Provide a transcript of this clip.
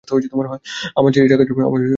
আমার ছেলে এই টাকার জন্য মরেছে।